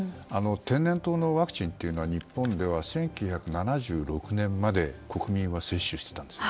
天然痘のワクチンというのは日本に１９７６年まで国民は接種していたんです。